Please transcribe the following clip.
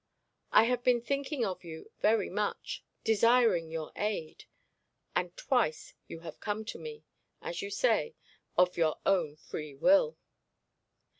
I have been thinking of you very much, desiring your aid, and twice you have come to me as you say of your own free will.'